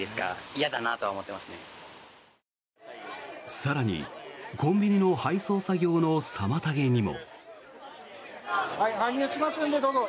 更にコンビニの配送作業の妨げにも。